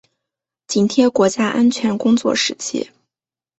紧贴国家安全工作实际